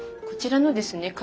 こちらのですね